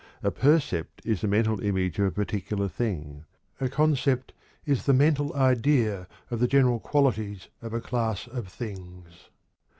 A percept is the mental image of a particular thing; a concept is the mental idea of the general qualities of a class of things.